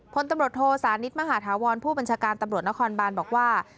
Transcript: พลตำรวจโทสานิทมหาธาวรผู้บัญชาการตำรวจนครบานบอกว่า